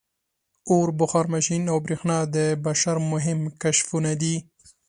• اور، بخار ماشین او برېښنا د بشر مهم کشفونه دي.